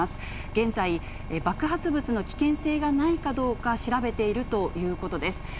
現在、爆発物の危険性がないかどうか調べているということです。